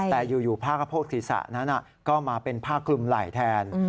แต่อยู่ผ้ากระโพกศีรษะนั้นก็มาเป็นผ้าคลุมไหล่แทน